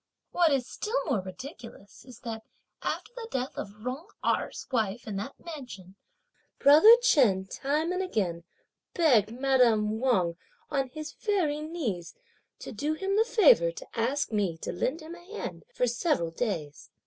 What is still more ridiculous is that after the death of Jung Erh's wife in that mansion, brother Chen, time and again, begged madame Wang, on his very knees, to do him the favour to ask me to lend him a hand for several days.